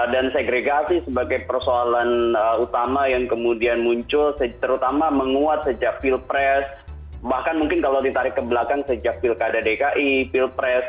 dan segregasi sebagai persoalan utama yang kemudian muncul terutama menguat sejak pilpres bahkan mungkin kalau ditarik ke belakang sejak pilkada dki pilpres